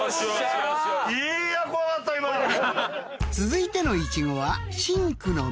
［続いてのイチゴは］